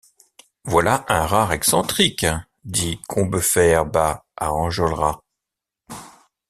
Voilà un rare excentrique, dit Combeferre bas à Enjolras.